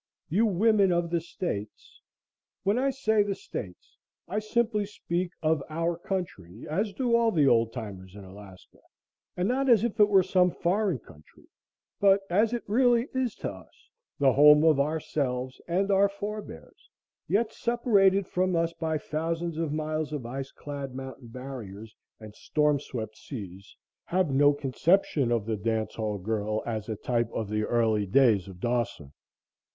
You women of "the States" when I say "the States" I simply speak of our country as do all the old timers in Alaska, and not as if it was some foreign country, but as it really is to us, the home of ourselves and our forebears, yet separated from us by thousands of miles of iceclad mountain barriers and storm swept seas have no conception of the dance hall girl as a type of the early days of Dawson.